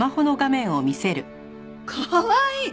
かわいい！